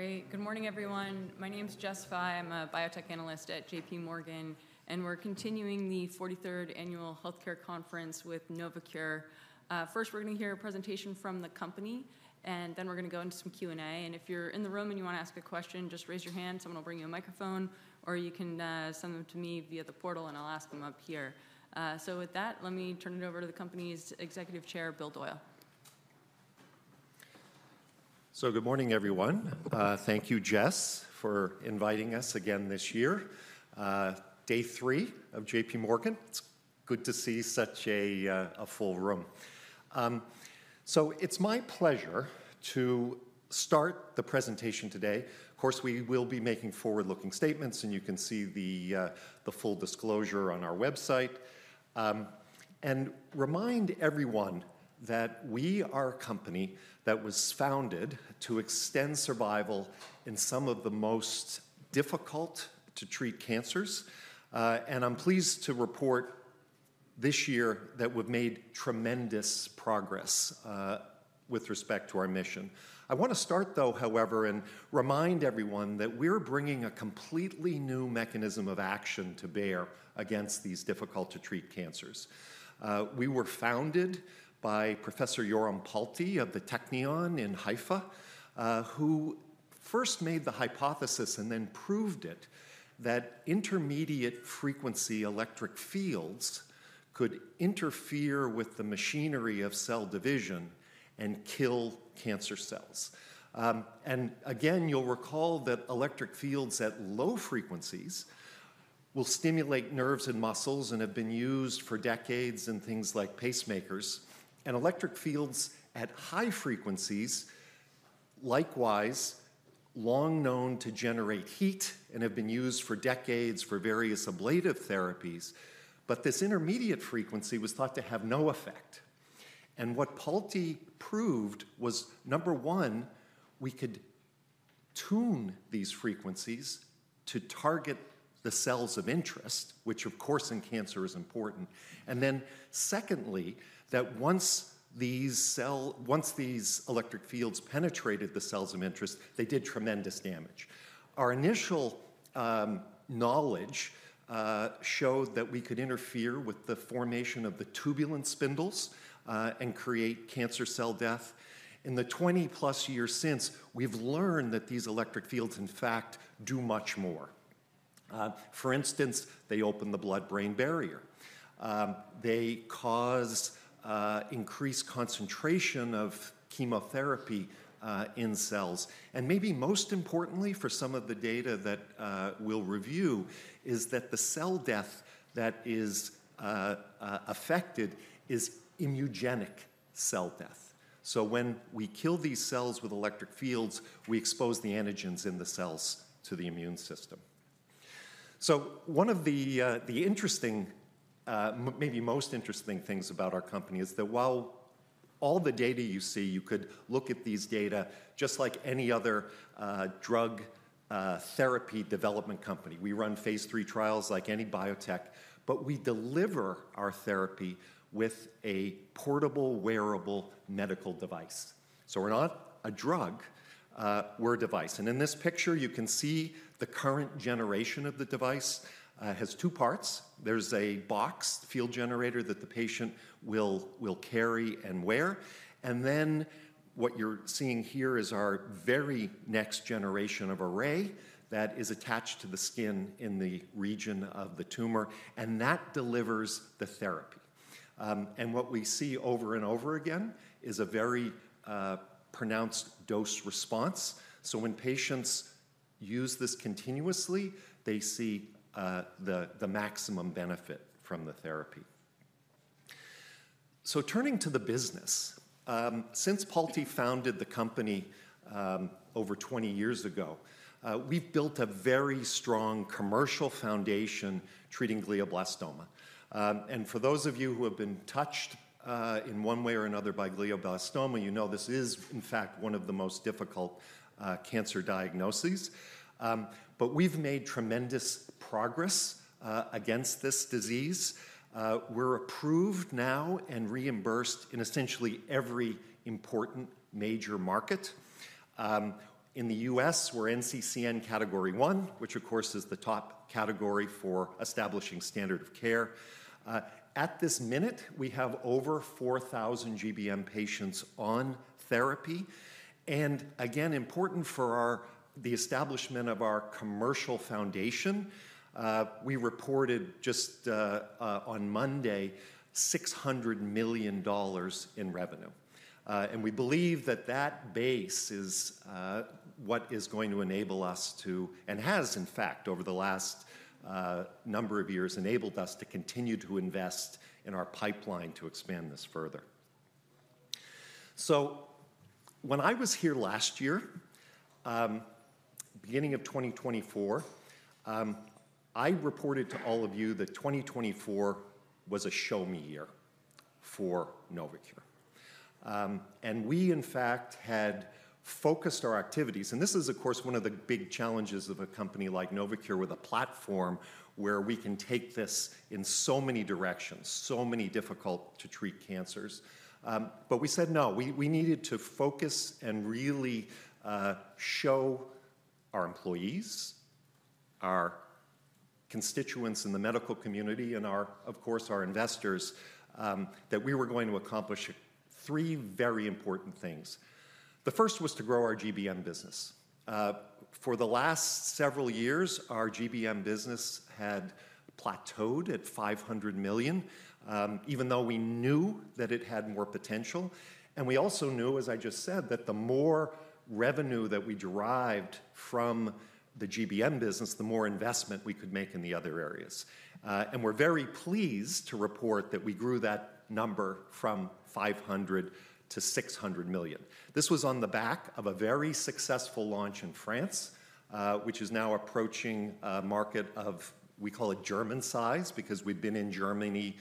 Great. Good morning, everyone. My name's Jess Fye. I'm a biotech analyst at JPMorgan, and we're continuing the 43rd Annual Healthcare Conference with Novocure. First, we're going to hear a presentation from the company, and then we're going to go into some Q&A. And if you're in the room and you want to ask a question, just raise your hand. Someone will bring you a microphone, or you can send them to me via the portal, and I'll ask them up here. So with that, let me turn it over to the company's Executive Chair, Bill Doyle. Good morning, everyone. Thank you, Jess, for inviting us again this year. Day three of JPMorgan. It's good to see such a full room. It's my pleasure to start the presentation today. Of course, we will be making forward-looking statements, and you can see the full disclosure on our website. Remind everyone that we are a company that was founded to extend survival in some of the most difficult-to-treat cancers. I'm pleased to report this year that we've made tremendous progress with respect to our mission. I want to start, though, however, and remind everyone that we're bringing a completely new mechanism of action to bear against these difficult-to-treat cancers. We were founded by Professor Yoram Palti of the Technion in Haifa, who first made the hypothesis and then proved it, that intermediate frequency electric fields could interfere with the machinery of cell division and kill cancer cells, and again, you'll recall that electric fields at low frequencies will stimulate nerves and muscles and have been used for decades in things like pacemakers, and electric fields at high frequencies, likewise, are long known to generate heat and have been used for decades for various ablative therapies, but this intermediate frequency was thought to have no effect, and what Palti proved was, number one, we could tune these frequencies to target the cells of interest, which, of course, in cancer is important, and then secondly, that once these electric fields penetrated the cells of interest, they did tremendous damage. Our initial knowledge showed that we could interfere with the formation of the tubulin spindles and create cancer cell death. In the 20+ years since, we've learned that these electric fields, in fact, do much more. For instance, they open the blood-brain barrier. They cause increased concentration of chemotherapy in cells. And maybe most importantly for some of the data that we'll review is that the cell death that is affected is immunogenic cell death. So when we kill these cells with electric fields, we expose the antigens in the cells to the immune system. So one of the interesting, maybe most interesting things about our company is that while all the data you see, you could look at these data just like any other drug therapy development company. We run phase III trials like any biotech, but we deliver our therapy with a portable, wearable medical device. We're not a drug. We're a device. And in this picture, you can see the current generation of the device has two parts. There's a boxed field generator that the patient will carry and wear. And then what you're seeing here is our very next generation of array that is attached to the skin in the region of the tumor, and that delivers the therapy. And what we see over and over again is a very pronounced dose response. So when patients use this continuously, they see the maximum benefit from the therapy. So turning to the business, since Palti founded the company over 20 years ago, we've built a very strong commercial foundation treating glioblastoma. And for those of you who have been touched in one way or another by glioblastoma, you know this is, in fact, one of the most difficult cancer diagnoses. But we've made tremendous progress against this disease. We're approved now and reimbursed in essentially every important major market. In the U.S., we're NCCN category one, which, of course, is the top category for establishing standard of care. At this minute, we have over 4,000 GBM patients on therapy. And again, important for the establishment of our commercial foundation, we reported just on Monday $600 million in revenue. And we believe that that base is what is going to enable us to, and has, in fact, over the last number of years, enabled us to continue to invest in our pipeline to expand this further. So when I was here last year, beginning of 2024, I reported to all of you that 2024 was a show-me year for Novocure. And we, in fact, had focused our activities, and this is, of course, one of the big challenges of a company like Novocure with a platform where we can take this in so many directions, so many difficult-to-treat cancers. But we said, no, we needed to focus and really show our employees, our constituents in the medical community, and, of course, our investors that we were going to accomplish three very important things. The first was to grow our GBM business. For the last several years, our GBM business had plateaued at $500 million, even though we knew that it had more potential. And we also knew, as I just said, that the more revenue that we derived from the GBM business, the more investment we could make in the other areas. And we're very pleased to report that we grew that number from $500 million to $600 million. This was on the back of a very successful launch in France, which is now approaching a market of, we call it, German size because we've been in Germany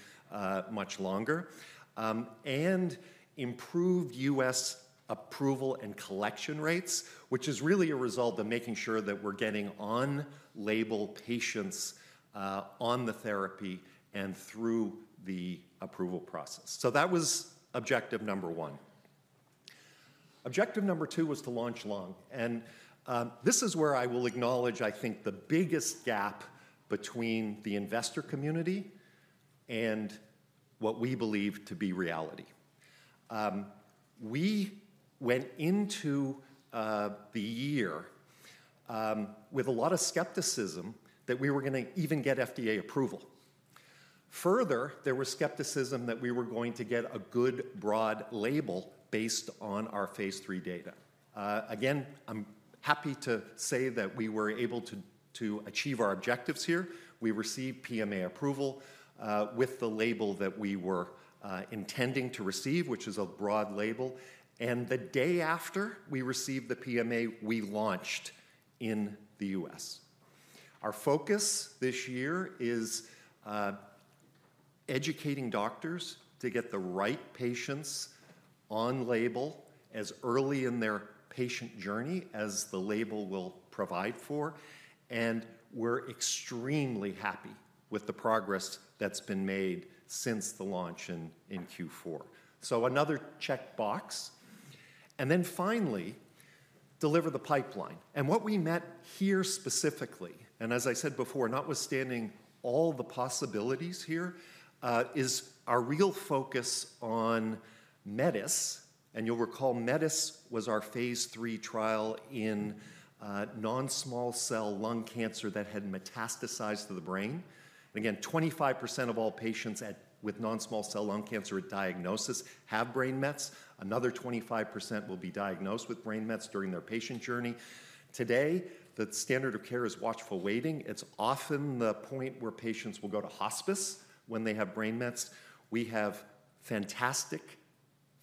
much longer, and improved U.S. approval and collection rates, which is really a result of making sure that we're getting on-label patients on the therapy and through the approval process. So that was objective number one. Objective number two was to launch Lua. And this is where I will acknowledge, I think, the biggest gap between the investor community and what we believe to be reality. We went into the year with a lot of skepticism that we were going to even get FDA approval. Further, there was skepticism that we were going to get a good broad label based on our phase III data. Again, I'm happy to say that we were able to achieve our objectives here. We received PMA approval with the label that we were intending to receive, which is a broad label. And the day after we received the PMA, we launched in the U.S. Our focus this year is educating doctors to get the right patients on label as early in their patient journey as the label will provide for. And we're extremely happy with the progress that's been made since the launch in Q4. So another checkbox. And then finally, deliver the pipeline. And what we met here specifically, and as I said before, notwithstanding all the possibilities here, is our real focus on METIS. And you'll recall METIS was our phase III trial in non-small cell lung cancer that had metastasized to the brain. Again, 25% of all patients with non-small cell lung cancer at diagnosis have brain mets. Another 25% will be diagnosed with brain mets during their patient journey. Today, the standard of care is watchful waiting. It's often the point where patients will go to hospice when they have brain mets. We have fantastic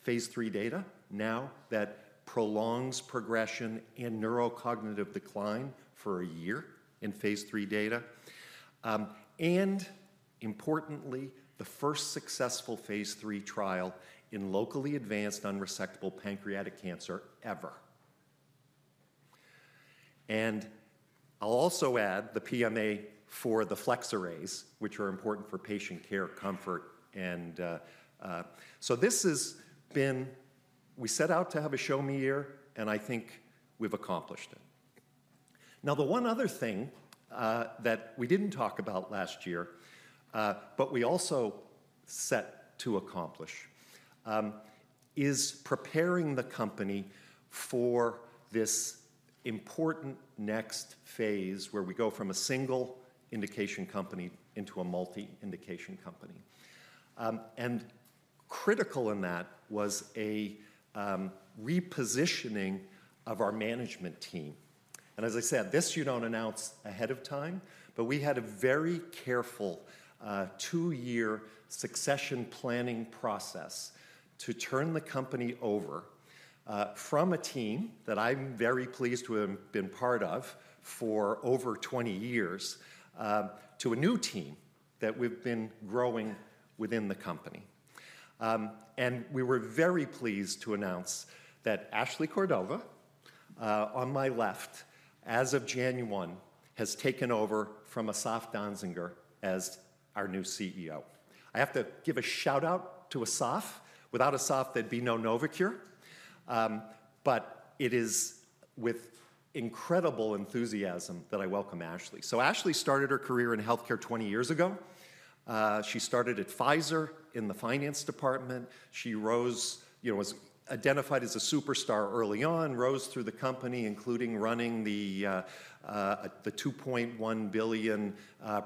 phase III data now that prolongs progression in neurocognitive decline for a year in phase III data, and importantly, the first successful phase III trial in locally advanced unresectable pancreatic cancer ever, and I'll also add the PMA for the Flex Arrays, which are important for patient care comfort. And so this has been we set out to have a show-me year, and I think we've accomplished it. Now, the one other thing that we didn't talk about last year, but we also set to accomplish, is preparing the company for this important next phase where we go from a single indication company into a multi-indication company, and critical in that was a repositioning of our management team. And as I said, this you don't announce ahead of time, but we had a very careful two-year succession planning process to turn the company over from a team that I'm very pleased to have been part of for over 20 years to a new team that we've been growing within the company. And we were very pleased to announce that Ashley Cordova, on my left, as of January 1, has taken over from Asaf Danziger as our new CEO. I have to give a shout-out to Asaf. Without Asaf, there'd be no Novocure. But it is with incredible enthusiasm that I welcome Ashley. So Ashley started her career in healthcare 20 years ago. She started at Pfizer in the finance department. She was identified as a superstar early on, rose through the company, including running the $2.1 billion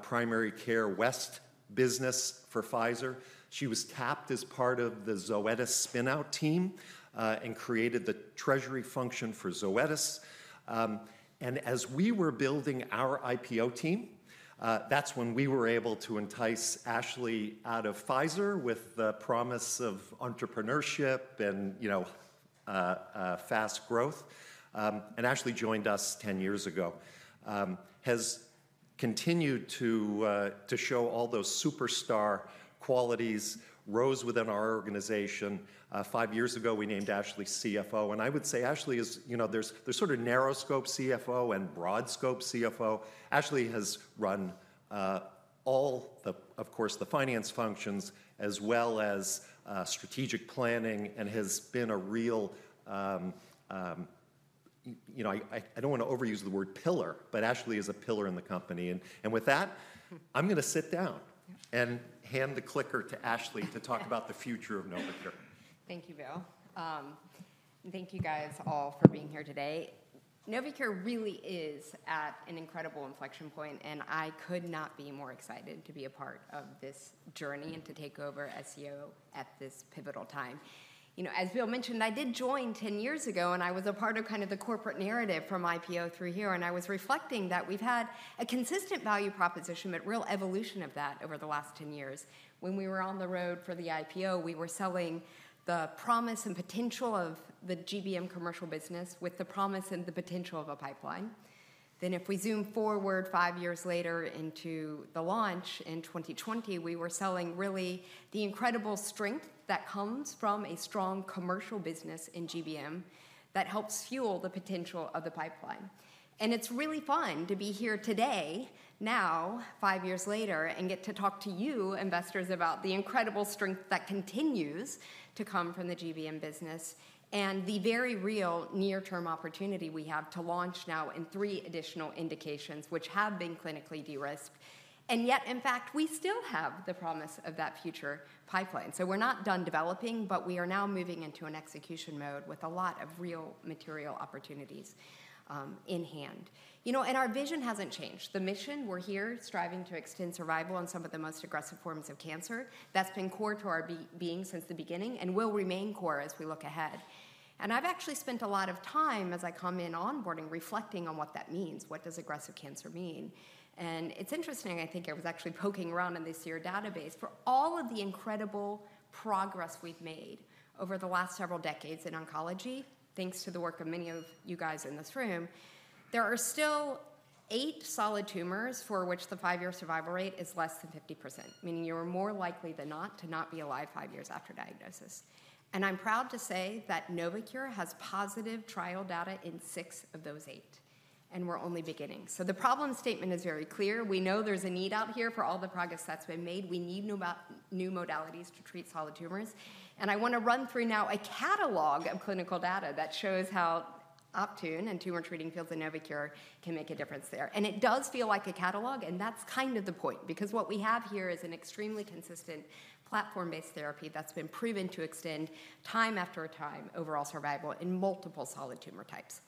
primary care West business for Pfizer. She was tapped as part of the Zoetis spinout team and created the treasury function for Zoetis, and as we were building our IPO team, that's when we were able to entice Ashley out of Pfizer with the promise of entrepreneurship and fast growth. And Ashley joined us 10 years ago, has continued to show all those superstar qualities, rose within our organization. Five years ago, we named Ashley CFO. And I would say Ashley is, there's sort of narrow scope CFO and broad scope CFO. Ashley has run all the, of course, the finance functions as well as strategic planning and has been a real, I don't want to overuse the word pillar, but Ashley is a pillar in the company. And with that, I'm going to sit down and hand the clicker to Ashley to talk about the future of Novocure. Thank you, Bill. Thank you guys all for being here today. Novocure really is at an incredible inflection point, and I could not be more excited to be a part of this journey and to take over CEO at this pivotal time. As Bill mentioned, I did join 10 years ago, and I was a part of kind of the corporate narrative from IPO through here. I was reflecting that we've had a consistent value proposition, but real evolution of that over the last 10 years. When we were on the road for the IPO, we were selling the promise and potential of the GBM commercial business with the promise and the potential of a pipeline. Then if we zoom forward five years later into the launch in 2020, we were selling really the incredible strength that comes from a strong commercial business in GBM that helps fuel the potential of the pipeline. And it's really fun to be here today, now, five years later, and get to talk to you investors about the incredible strength that continues to come from the GBM business and the very real near-term opportunity we have to launch now in three additional indications, which have been clinically de-risked. And yet, in fact, we still have the promise of that future pipeline. So we're not done developing, but we are now moving into an execution mode with a lot of real material opportunities in hand. And our vision hasn't changed. The mission, we're here striving to extend survival on some of the most aggressive forms of cancer. That's been core to our being since the beginning and will remain core as we look ahead. And I've actually spent a lot of time as I come in onboarding reflecting on what that means. What does aggressive cancer mean? And it's interesting, I think I was actually poking around in the SEER database for all of the incredible progress we've made over the last several decades in oncology, thanks to the work of many of you guys in this room. There are still eight solid tumors for which the five-year survival rate is less than 50%, meaning you are more likely than not to not be alive five years after diagnosis. And I'm proud to say that Novocure has positive trial data in six of those eight. And we're only beginning. So the problem statement is very clear. We know there's a need out here for all the progress that's been made. We need new modalities to treat solid tumors, and I want to run through now a catalog of clinical data that shows how Optune and Tumor Treating Fields in Novocure can make a difference there. It does feel like a catalog, and that's kind of the point because what we have here is an extremely consistent platform-based therapy that's been proven to extend time after time overall survival in multiple solid tumor types.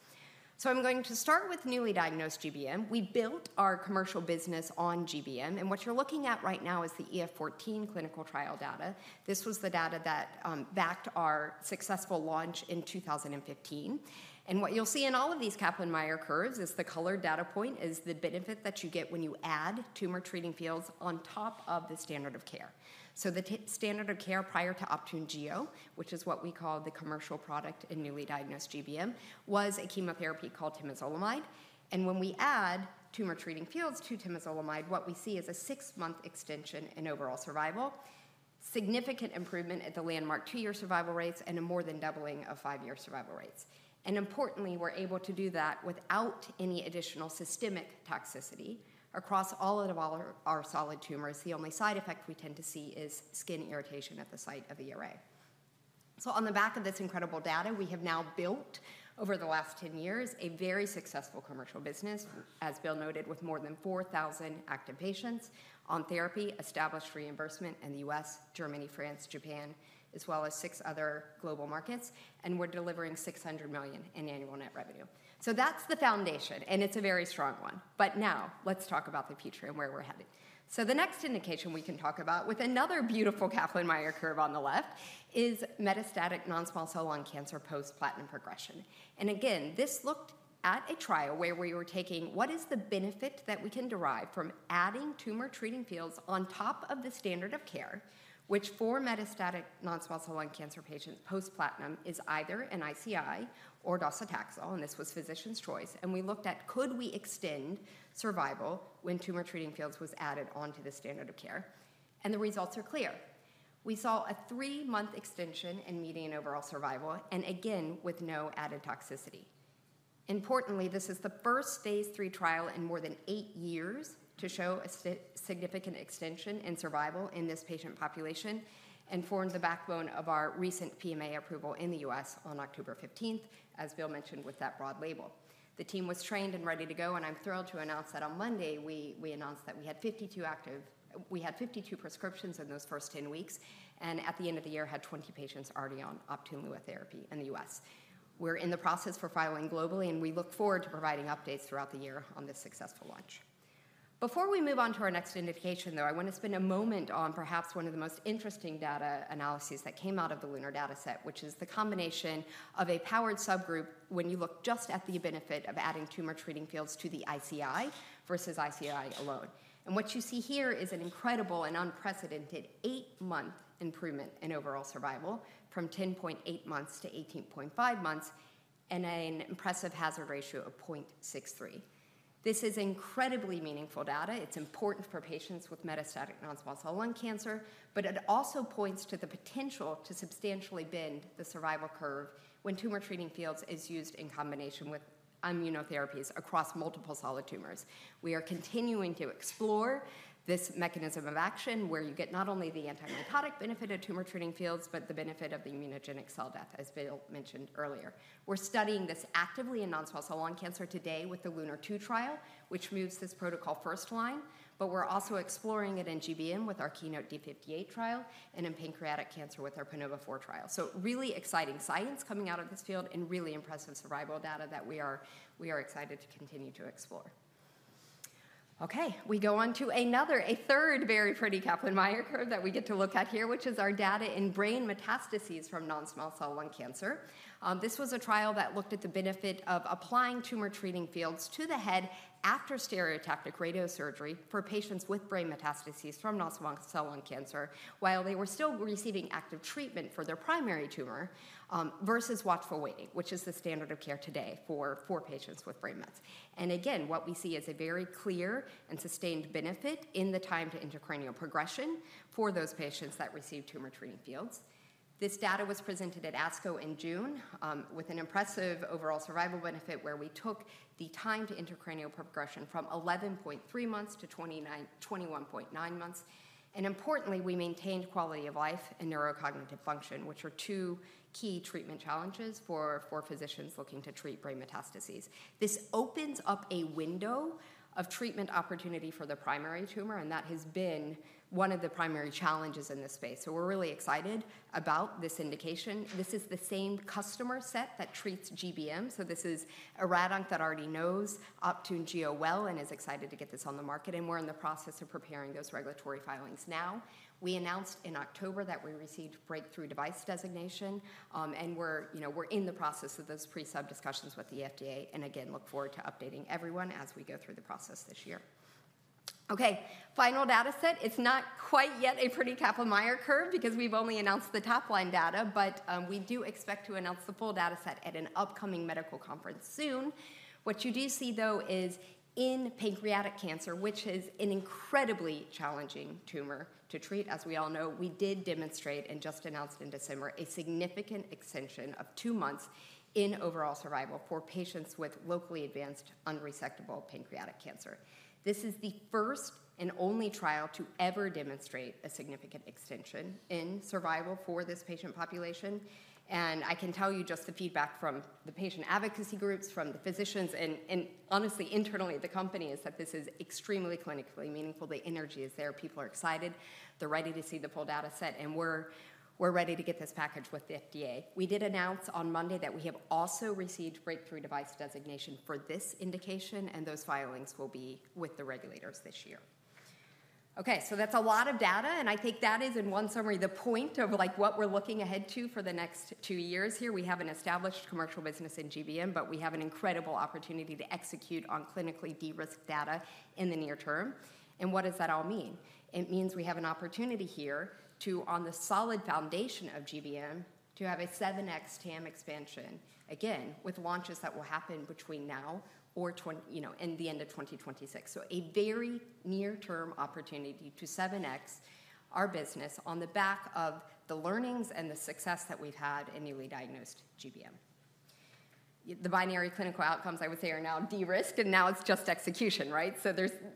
I'm going to start with newly diagnosed GBM. We built our commercial business on GBM, and what you're looking at right now is the EF-14 clinical trial data. This was the data that backed our successful launch in 2015. And what you'll see in all of these Kaplan-Meier curves is the colored data point is the benefit that you get when you add Tumor Treating Fields on top of the standard of care. So the standard of care prior to Optune Gio, which is what we call the commercial product in newly diagnosed GBM, was a chemotherapy called temozolomide. And when we add Tumor Treating Fields to temozolomide, what we see is a six-month extension in overall survival, significant improvement at the landmark two-year survival rates, and a more than doubling of five-year survival rates. And importantly, we're able to do that without any additional systemic toxicity across all of our solid tumors. The only side effect we tend to see is skin irritation at the site of array. On the back of this incredible data, we have now built over the last 10 years a very successful commercial business, as Bill noted, with more than 4,000 active patients on therapy, established reimbursement in the U.S., Germany, France, Japan, as well as six other global markets. And we're delivering $600 million in annual net revenue. So that's the foundation, and it's a very strong one. But now let's talk about the future and where we're headed. So the next indication we can talk about with another beautiful Kaplan-Meier curve on the left is metastatic non-small cell lung cancer post-platinum progression. Again, this looked at a trial where we were taking what is the benefit that we can derive from adding Tumor Treating Fields on top of the standard of care, which for metastatic non-small cell lung cancer patients post-platinum is either an ICI or docetaxel, and this was physician's choice. We looked at could we extend survival when Tumor Treating Fields was added onto the standard of care? The results are clear. We saw a three-month extension in median overall survival, and again, with no added toxicity. Importantly, this is the first phase III trial in more than eight years to show a significant extension in survival in this patient population and formed the backbone of our recent PMA approval in the U.S. on October 15th, as Bill mentioned with that broad label. The team was trained and ready to go, and I'm thrilled to announce that on Monday, we announced that we had 52 active prescriptions in those first 10 weeks, and at the end of the year, had 20 patients already on Optune Lua therapy in the U.S. We're in the process for filing globally, and we look forward to providing updates throughout the year on this successful launch. Before we move on to our next indication, though, I want to spend a moment on perhaps one of the most interesting data analyses that came out of the LUNAR dataset, which is the combination of a powered subgroup when you look just at the benefit of adding Tumor Treating Fields to the ICI versus ICI alone. What you see here is an incredible and unprecedented eight-month improvement in overall survival from 10.8 months to 18.5 months and an impressive hazard ratio of 0.63. This is incredibly meaningful data. It's important for patients with metastatic non-small cell lung cancer, but it also points to the potential to substantially bend the survival curve when Tumor Treating Fields is used in combination with immunotherapies across multiple solid tumors. We are continuing to explore this mechanism of action where you get not only the antitumor benefit of Tumor Treating Fields, but the benefit of the immunogenic cell death, as Bill mentioned earlier. We're studying this actively in non-small cell lung cancer today with the LUNAR-2 trial, which moves this protocol first line, but we're also exploring it in GBM with our KEYNOTE-D58 trial and in pancreatic cancer with our PANOVA-4 trial. Really exciting science coming out of this field and really impressive survival data that we are excited to continue to explore. Okay, we go on to another, a third very pretty Kaplan-Meier curve that we get to look at here, which is our data in brain metastases from non-small cell lung cancer. This was a trial that looked at the benefit of applying Tumor Treating Fields to the head after stereotactic radiosurgery for patients with brain metastases from non-small cell lung cancer while they were still receiving active treatment for their primary tumor versus watchful waiting, which is the standard of care today for patients with brain mets. Again, what we see is a very clear and sustained benefit in the time to intracranial progression for those patients that receive Tumor Treating Fields. This data was presented at ASCO in June with an impressive overall survival benefit where we took the time to intracranial progression from 11.3 months to 21.9 months, and importantly, we maintained quality of life and neurocognitive function, which are two key treatment challenges for physicians looking to treat brain metastases. This opens up a window of treatment opportunity for the primary tumor, and that has been one of the primary challenges in this space, so we're really excited about this indication. This is the same customer set that treats GBM, so this is a read-on that already knows Optune Gio well and is excited to get this on the market, and we're in the process of preparing those regulatory filings now. We announced in October that we received Breakthrough Device Designation, and we're in the process of those pre-sub discussions with the FDA. Again, look forward to updating everyone as we go through the process this year. Okay, final dataset. It's not quite yet a pretty Kaplan-Meier curve because we've only announced the top line data, but we do expect to announce the full dataset at an upcoming medical conference soon. What you do see, though, is in pancreatic cancer, which is an incredibly challenging tumor to treat. As we all know, we did demonstrate and just announced in December a significant extension of two months in overall survival for patients with locally advanced unresectable pancreatic cancer. This is the first and only trial to ever demonstrate a significant extension in survival for this patient population. I can tell you just the feedback from the patient advocacy groups, from the physicians, and honestly, internally, the company is that this is extremely clinically meaningful. The energy is there. People are excited. They're ready to see the full dataset, and we're ready to get this package with the FDA. We did announce on Monday that we have also received Breakthrough Device Designation for this indication, and those filings will be with the regulators this year. Okay, so that's a lot of data, and I think that is, in one summary, the point of what we're looking ahead to for the next two years here. We have an established commercial business in GBM, but we have an incredible opportunity to execute on clinically de-risked data in the near term, and what does that all mean? It means we have an opportunity here to, on the solid foundation of GBM, to have a 7x TAM expansion, again, with launches that will happen between now or in the end of 2026. So a very near-term opportunity to 7x our business on the back of the learnings and the success that we've had in newly diagnosed GBM. The binary clinical outcomes, I would say, are now de-risked, and now it's just execution, right? So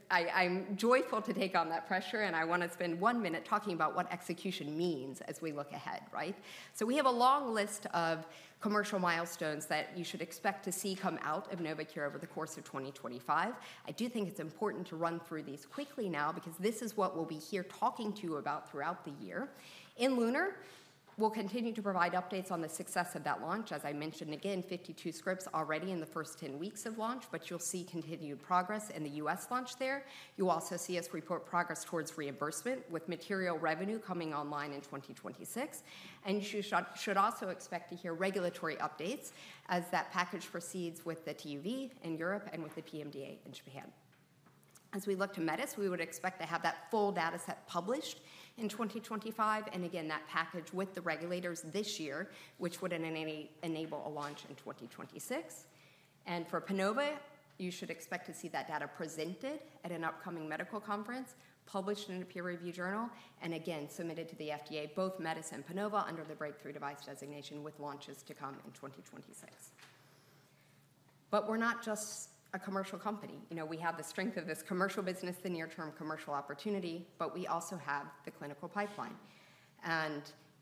I'm joyful to take on that pressure, and I want to spend one minute talking about what execution means as we look ahead, right? So we have a long list of commercial milestones that you should expect to see come out of Novocure over the course of 2025. I do think it's important to run through these quickly now because this is what we'll be here talking to you about throughout the year. In LUNAR, we'll continue to provide updates on the success of that launch, as I mentioned again, 52 scripts already in the first 10 weeks of launch, but you'll see continued progress in the U.S. launch there. You'll also see us report progress towards reimbursement with material revenue coming online in 2026. And you should also expect to hear regulatory updates as that package proceeds with the TÜV in Europe and with the PMDA in Japan. As we look to METIS, we would expect to have that full dataset published in 2025. And again, that package with the regulators this year, which would enable a launch in 2026. And for PANOVA, you should expect to see that data presented at an upcoming medical conference, published in a peer-reviewed journal, and again, submitted to the FDA, both METIS and PANOVA under the Breakthrough Device Designation with launches to come in 2026. But we're not just a commercial company. We have the strength of this commercial business, the near-term commercial opportunity, but we also have the clinical pipeline, and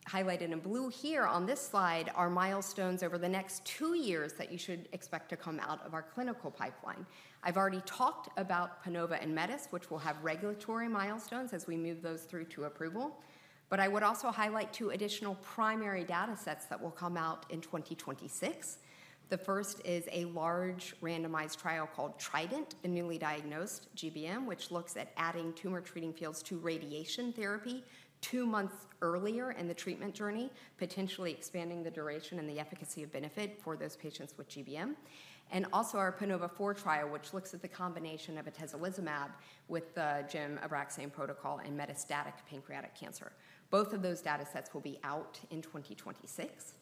highlighted in blue here on this slide are milestones over the next two years that you should expect to come out of our clinical pipeline. I've already talked about PANOVA and METIS, which will have regulatory milestones as we move those through to approval, but I would also highlight two additional primary datasets that will come out in 2026. The first is a large randomized trial called TRIDENT in newly diagnosed GBM, which looks at adding Tumor Treating Fields to radiation therapy two months earlier in the treatment journey, potentially expanding the duration and the efficacy of benefit for those patients with GBM. And also our PANOVA-4 trial, which looks at the combination of atezolizumab with the Gem-Abraxane protocol in metastatic pancreatic cancer. Both of those datasets will be out in 2026.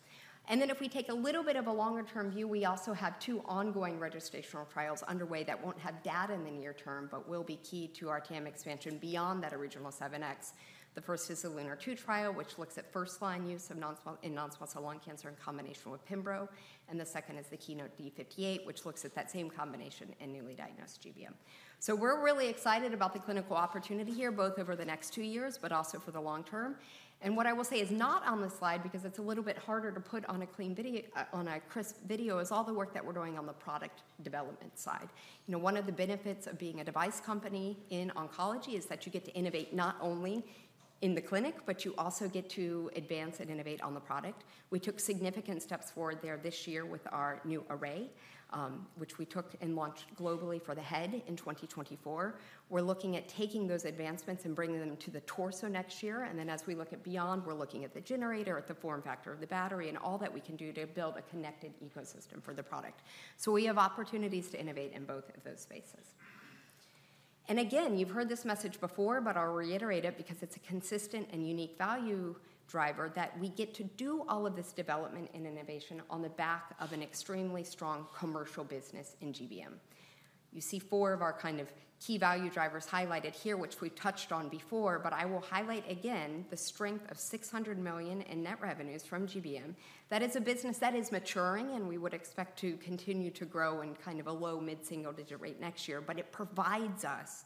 And then if we take a little bit of a longer-term view, we also have two ongoing registrational trials underway that won't have data in the near term, but will be key to our TAM expansion beyond that original 7x. The first is the LUNAR-2 trial, which looks at first-line use in non-small cell lung cancer in combination with pembro. And the second is the KEYNOTE-D58, which looks at that same combination in newly diagnosed GBM. So we're really excited about the clinical opportunity here, both over the next two years, but also for the long term. And what I will say is not on the slide because it's a little bit harder to put on a clean video, on a crisp video, is all the work that we're doing on the product development side. One of the benefits of being a device company in oncology is that you get to innovate not only in the clinic, but you also get to advance and innovate on the product. We took significant steps forward there this year with our new array, which we took and launched globally for the head in 2024. We're looking at taking those advancements and bringing them to the torso next year. And then as we look at beyond, we're looking at the generator, at the form factor of the battery, and all that we can do to build a connected ecosystem for the product. So we have opportunities to innovate in both of those spaces. And again, you've heard this message before, but I'll reiterate it because it's a consistent and unique value driver that we get to do all of this development and innovation on the back of an extremely strong commercial business in GBM. You see four of our kind of key value drivers highlighted here, which we've touched on before, but I will highlight again the strength of $600 million in net revenues from GBM. That is a business that is maturing, and we would expect to continue to grow in kind of a low mid-single digit rate next year, but it provides us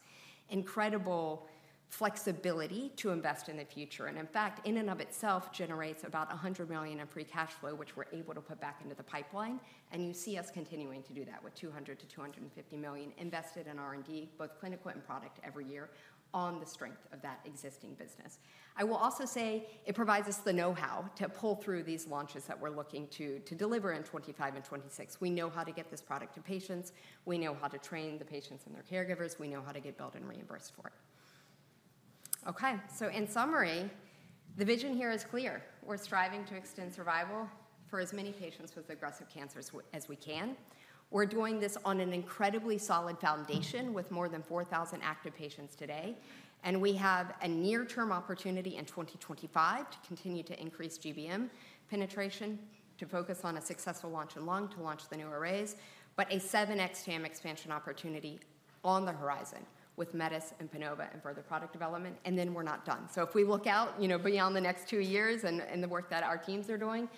incredible flexibility to invest in the future. And in fact, in and of itself, generates about $100 million in free cash flow, which we're able to put back into the pipeline. And you see us continuing to do that with $200 million-$250 million invested in R&D, both clinical and product every year on the strength of that existing business. I will also say it provides us the know-how to pull through these launches that we're looking to deliver in 2025 and 2026. We know how to get this product to patients. We know how to train the patients and their caregivers. We know how to get billed and reimbursed for it. Okay, so in summary, the vision here is clear. We're striving to extend survival for as many patients with aggressive cancers as we can. We're doing this on an incredibly solid foundation with more than 4,000 active patients today. And we have a near-term opportunity in 2025 to continue to increase GBM penetration, to focus on a successful launch and plan to launch the new arrays, but a 7x TAM expansion opportunity on the horizon with METIS and PANOVA and further product development. And then we're not done. So if we look out beyond the next two years and the work that our teams are doing,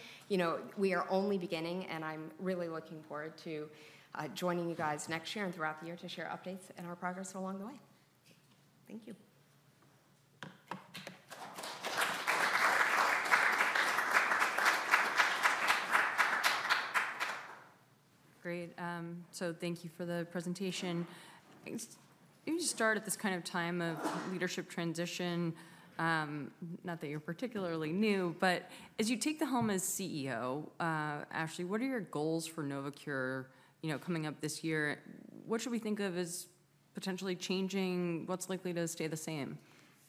we are only beginning, and I'm really looking forward to joining you guys next year and throughout the year to share updates and our progress along the way. Thank you. Great. So thank you for the presentation. Let me just start at this kind of time of leadership transition, not that you're particularly new, but as you take the helm as CEO, Ashley, what are your goals for Novocure coming up this year? What should we think of as potentially changing? What's likely to stay the same?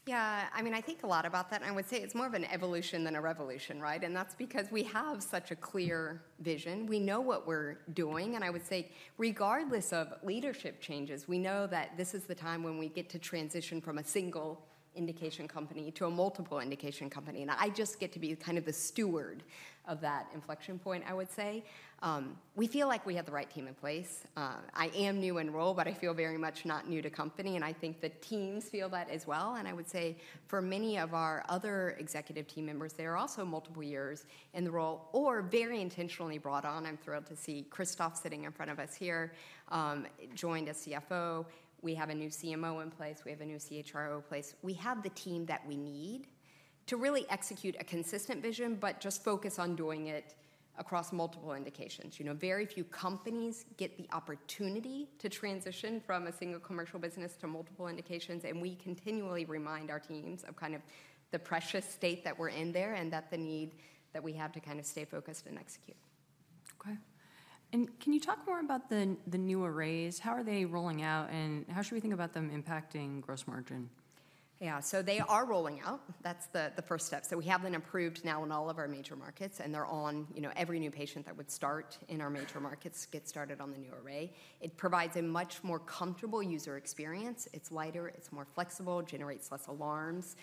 Yeah, I mean, I think a lot about that. And I would say it's more of an evolution than a revolution, right? And that's because we have such a clear vision. We know what we're doing. And I would say, regardless of leadership changes, we know that this is the time when we get to transition from a single indication company to a multiple indication company. And I just get to be kind of the steward of that inflection point, I would say. We feel like we have the right team in place. I am new in role, but I feel very much not new to company. And I think the teams feel that as well. And I would say for many of our other executive team members, they are also multiple years in the role or very intentionally brought on. I'm thrilled to see Christophe sitting in front of us here, joined as CFO. We have a new CMO in place. We have a new CHRO in place. We have the team that we need to really execute a consistent vision, but just focus on doing it across multiple indications. Very few companies get the opportunity to transition from a single commercial business to multiple indications. And we continually remind our teams of kind of the precious state that we're in there and that the need that we have to kind of stay focused and execute. Okay. And can you talk more about the new arrays? How are they rolling out and how should we think about them impacting gross margin? Yeah, so they are rolling out. That's the first step. So we have them approved now in all of our major markets, and they're on every new patient that would start in our major markets gets started on the new array. It provides a much more comfortable user experience. It's lighter, it's more flexible, generates less alarms.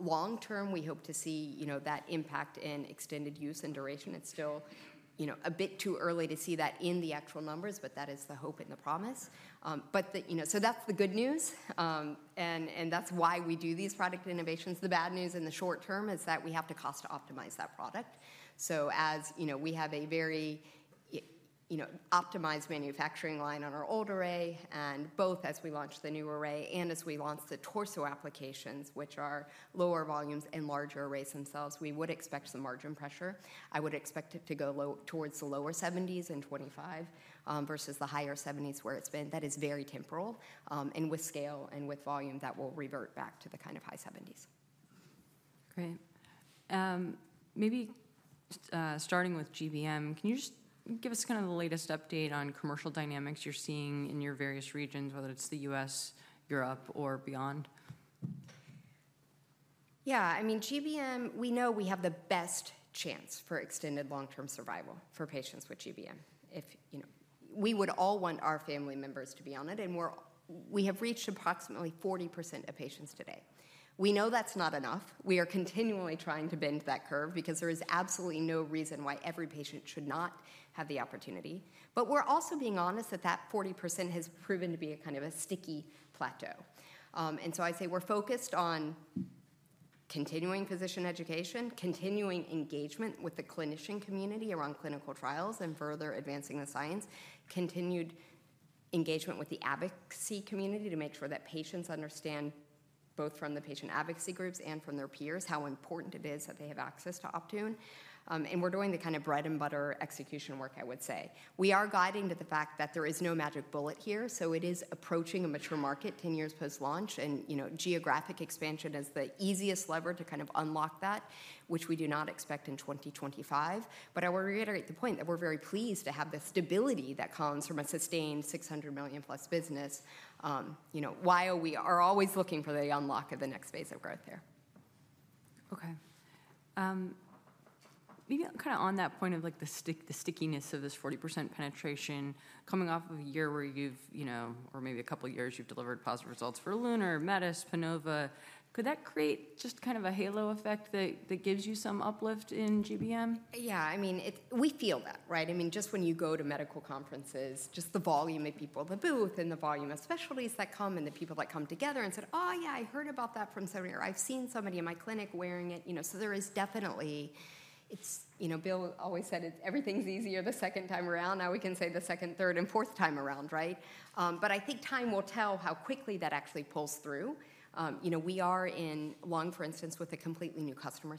Long term, we hope to see that impact in extended use and duration. It's still a bit too early to see that in the actual numbers, but that is the hope and the promise. But so that's the good news. And that's why we do these product innovations. The bad news in the short term is that we have to cost optimize that product. So as we have a very optimized manufacturing line on our old array and both as we launch the new array and as we launch the torso applications, which are lower volumes and larger arrays themselves, we would expect some margin pressure. I would expect it to go towards the lower 70s% in 2025 versus the higher 70s% where it's been. That is very temporal, and with scale and with volume, that will revert back to the kind of high 70s%. Great. Maybe starting with GBM, can you just give us kind of the latest update on commercial dynamics you're seeing in your various regions, whether it's the U.S., Europe, or beyond? Yeah, I mean, GBM, we know we have the best chance for extended long-term survival for patients with GBM. We would all want our family members to be on it. We have reached approximately 40% of patients today. We know that's not enough. We are continually trying to bend that curve because there is absolutely no reason why every patient should not have the opportunity. We're also being honest that that 40% has proven to be a kind of a sticky plateau. So I say we're focused on continuing physician education, continuing engagement with the clinician community around clinical trials and further advancing the science, continued engagement with the advocacy community to make sure that patients understand both from the patient advocacy groups and from their peers how important it is that they have access to Optune. We're doing the kind of bread and butter execution work, I would say. We are guiding to the fact that there is no magic bullet here. It is approaching a mature market 10 years post-launch. Geographic expansion is the easiest lever to kind of unlock that, which we do not expect in 2025. I will reiterate the point that we're very pleased to have the stability that comes from a sustained $600 million+ business while we are always looking for the unlock of the next phase of growth there. Okay. Maybe kind of on that point of the stickiness of this 40% penetration coming off of a year where you've, or maybe a couple of years, you've delivered positive results for LUNAR, METIS, PANOVA. Could that create just kind of a halo effect that gives you some uplift in GBM? Yeah, I mean, we feel that, right? I mean, just when you go to medical conferences, just the volume of people at the booth and the volume of specialties that come and the people that come together and said, "Oh, yeah, I heard about that from somewhere. I've seen somebody in my clinic wearing it." So there is definitely, Bill always said, "Everything's easier the second time around." Now we can say the second, third, and fourth time around, right? But I think time will tell how quickly that actually pulls through. We are in lung, for instance, with a completely new customer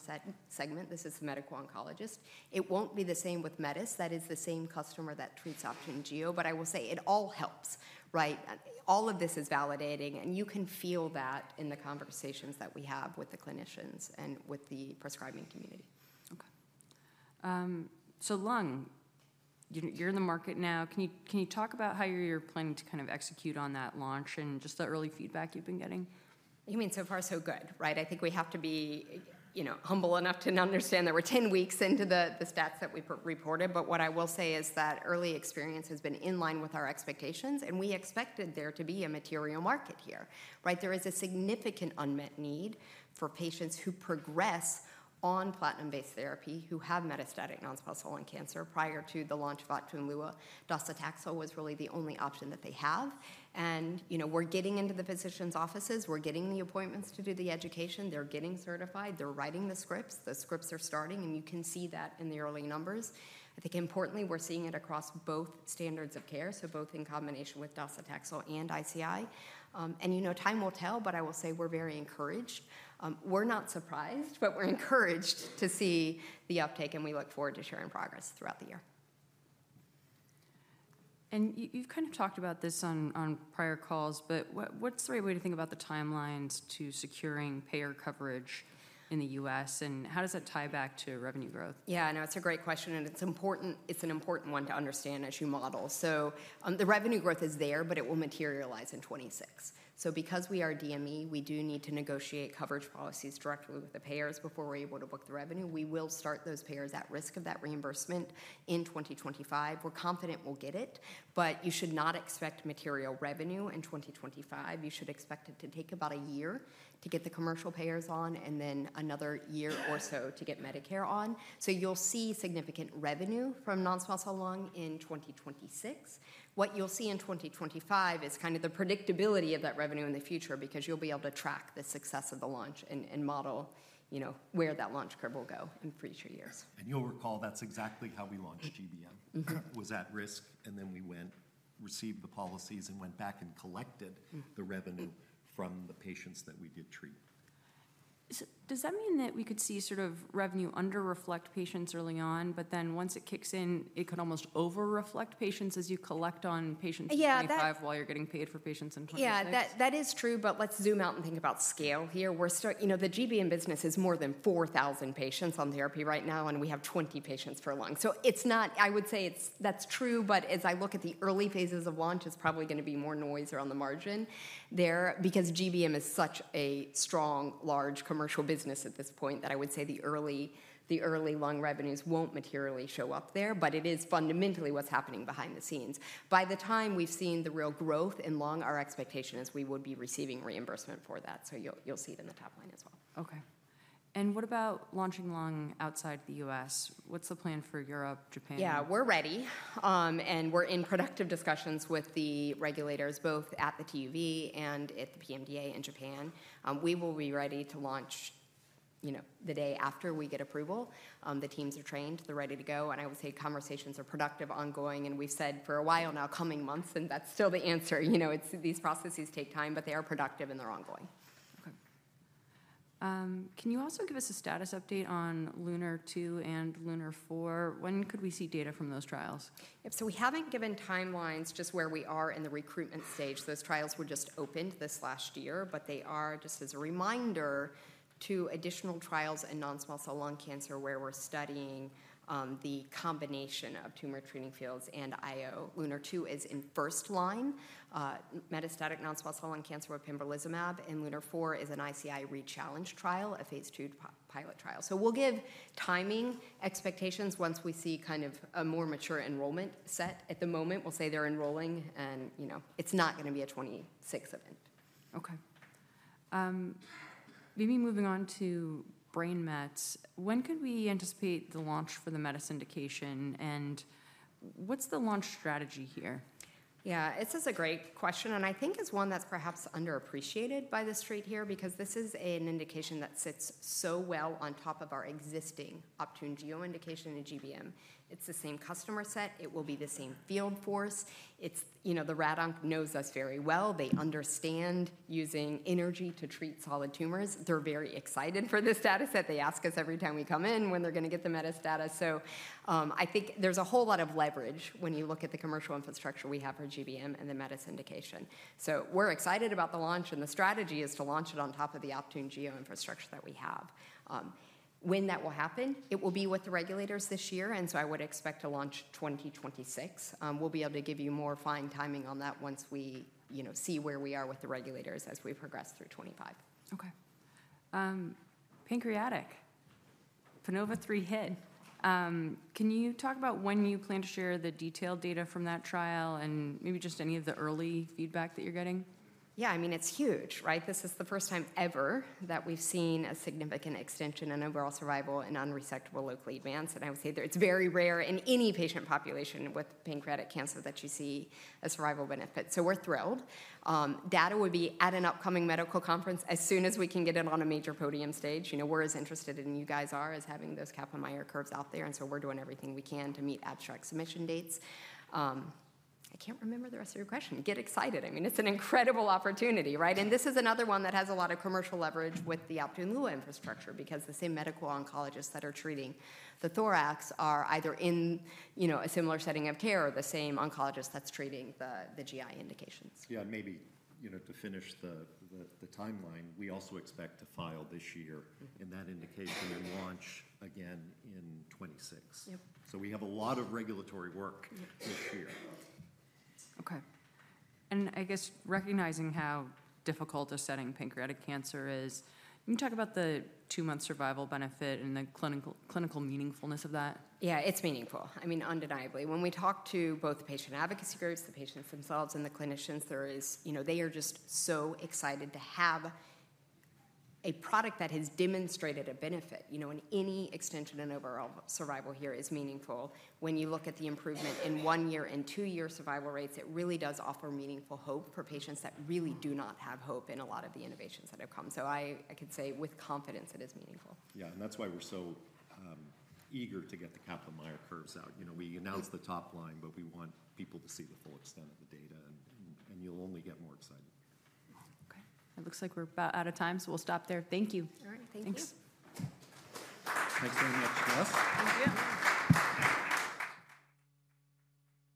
segment. This is a medical oncologist. It won't be the same with med onc. That is the same customer that treats Optune and Gio. But I will say it all helps, right? All of this is validating. You can feel that in the conversations that we have with the clinicians and with the prescribing community. Okay. Lung, you're in the market now. Can you talk about how you're planning to kind of execute on that launch and just the early feedback you've been getting? You mean so far, so good, right? I think we have to be humble enough to understand that we're 10 weeks into the stats that we reported. What I will say is that early experience has been in line with our expectations. We expected there to be a material market here, right? There is a significant unmet need for patients who progress on platinum-based therapy who have metastatic non-small cell lung cancer prior to the launch of Optune. Docetaxel was really the only option that they have. We're getting into the physicians' offices. We're getting the appointments to do the education. They're getting certified. They're writing the scripts. The scripts are starting. And you can see that in the early numbers. I think importantly, we're seeing it across both standards of care, so both in combination with Docetaxel and ICI. And time will tell, but I will say we're very encouraged. We're not surprised, but we're encouraged to see the uptake. And we look forward to sharing progress throughout the year. And you've kind of talked about this on prior calls, but what's the right way to think about the timelines to securing payer coverage in the U.S.? And how does that tie back to revenue growth? Yeah, no, it's a great question. And it's an important one to understand as you model. So the revenue growth is there, but it will materialize in 26. Because we are DME, we do need to negotiate coverage policies directly with the payers before we're able to book the revenue. We will start those payers at risk of that reimbursement in 2025. We're confident we'll get it. But you should not expect material revenue in 2025. You should expect it to take about a year to get the commercial payers on and then another year or so to get Medicare on. You'll see significant revenue from non-small cell lung in 2026. What you'll see in 2025 is kind of the predictability of that revenue in the future because you'll be able to track the success of the launch and model where that launch curve will go in future years. You'll recall that's exactly how we launched GBM. It was at risk, and then we went, received the policies, and went back and collected the revenue from the patients that we did treat. Does that mean that we could see sort of revenue under-reflect patients early on, but then once it kicks in, it could almost over-reflect patients as you collect on patients in 25 while you're getting paid for patients in 26? Yeah, that is true, but let's zoom out and think about scale here. The GBM business is more than 4,000 patients on therapy right now, and we have 20 patients for lung. So I would say that's true, but as I look at the early phases of launch, it's probably going to be more noise around the margin there because GBM is such a strong, large commercial business at this point that I would say the early lung revenues won't materially show up there, but it is fundamentally what's happening behind the scenes. By the time we've seen the real growth in lung, our expectation is we would be receiving reimbursement for that. So you'll see it in the top line as well. Okay. And what about launching lung outside the U.S.? What's the plan for Europe, Japan? Yeah, we're ready. And we're in productive discussions with the regulators, both at the TÜV and at the PMDA in Japan. We will be ready to launch the day after we get approval. The teams are trained. They're ready to go. I would say conversations are productive, ongoing. We've said for a while now, coming months, and that's still the answer. These processes take time, but they are productive and they're ongoing. Okay. Can you also give us a status update on LUNAR-2 and LUNAR-4? When could we see data from those trials? Yep. We haven't given timelines, just where we are in the recruitment stage. Those trials were just opened this last year, but they are, just as a reminder, additional trials in non-small cell lung cancer where we're studying the combination of Tumor Treating Fields and IO. LUNAR-2 is in first-line metastatic non-small cell lung cancer with pembrolizumab, and LUNAR-4 is an ICI re-challenge trial, a phase 2 pilot trial. We'll give timing expectations once we see kind of a more mature enrollment set. At the moment, we'll say they're enrolling, and it's not going to be a 26 event. Okay. Maybe moving on to brain mets. When could we anticipate the launch for the METIS indication? And what's the launch strategy here? Yeah, this is a great question. And I think it's one that's perhaps underappreciated by the street here because this is an indication that sits so well on top of our existing Optune Gio indication and GBM. It's the same customer set. It will be the same field force. The rad oncs know us very well. They understand using energy to treat solid tumors. They're very excited for the status that they ask us every time we come in when they're going to get the METIS status. So I think there's a whole lot of leverage when you look at the commercial infrastructure we have for GBM and the METIS indication. We're excited about the launch, and the strategy is to launch it on top of the Optune Gio infrastructure that we have. When that will happen, it will be with the regulators this year. I would expect to launch 2026. We'll be able to give you more fine timing on that once we see where we are with the regulators as we progress through 2025. Okay. Pancreatic, PANOVA-3. Can you talk about when you plan to share the detailed data from that trial and maybe just any of the early feedback that you're getting? Yeah, I mean, it's huge, right? This is the first time ever that we've seen a significant extension and overall survival in unresectable locally advanced. I would say that it's very rare in any patient population with pancreatic cancer that you see a survival benefit. We're thrilled. Data would be at an upcoming medical conference as soon as we can get it on a major podium stage. We're as interested in you guys as having those Kaplan-Meier curves out there, and so we're doing everything we can to meet abstract submission dates. I can't remember the rest of your question. Get excited. I mean, it's an incredible opportunity, right, and this is another one that has a lot of commercial leverage with the Optune Lua infrastructure because the same medical oncologists that are treating the thorax are either in a similar setting of care or the same oncologist that's treating the GI indications. Yeah, and maybe to finish the timeline, we also expect to file this year in that indication and launch again in 2026. So we have a lot of regulatory work this year. Okay. And I guess recognizing how difficult a setting pancreatic cancer is, can you talk about the two-month survival benefit and the clinical meaningfulness of that? Yeah, it's meaningful. I mean, undeniably. When we talk to both the patient advocacy groups, the patients themselves, and the clinicians, they are just so excited to have a product that has demonstrated a benefit. And any extension and overall survival here is meaningful. When you look at the improvement in one-year and two-year survival rates, it really does offer meaningful hope for patients that really do not have hope in a lot of the innovations that have come. So I could say with confidence it is meaningful. Yeah, and that's why we're so eager to get the Kaplan-Meier curves out. We announced the top line, but we want people to see the full extent of the data, and you'll only get more excited. Okay. It looks like we're about out of time, so we'll stop there. Thank you. All right, thank you. Thanks. Thanks very much, Jess. Thank you.